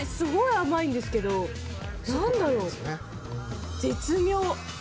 すごく甘いんですけど、何だろう、絶妙！